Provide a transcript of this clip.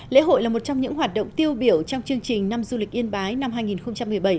lễ hội là một trong những hoạt động tiêu biểu trong chương trình năm du lịch yên bái năm hai nghìn một mươi bảy